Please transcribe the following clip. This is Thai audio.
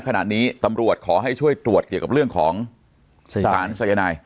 ณขนาดนี้ตำรวจขอให้ช่วยตรวจเรื่องของสายนาย